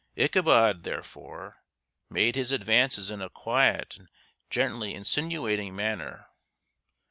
Ichabod, therefore, made his advances in a quiet and gently insinuating manner.